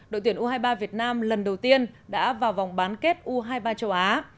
đội tuyển u hai mươi ba việt nam lần đầu tiên đã vào vòng bán kết u hai mươi ba châu á